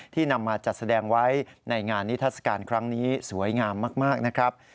นำมาจัดแสดงไว้ในงานนิทัศกาลครั้งนี้สวยงามมากนะครับ